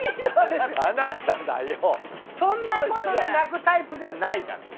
そんなことで泣くタイプではないから。